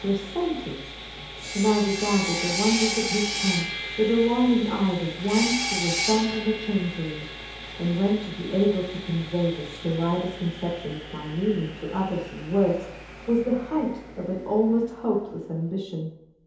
321' or sentence ; when I regarded the wonders of his pen with the longing eyes of one who was dumb and a changeling ; and when to be able to convey the slightest conception of my meaning to others in words, was the height of an almost hopeless ambition!